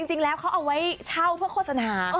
จริงแล้วเขาเอาไว้เช่าเพื่อโฆษณา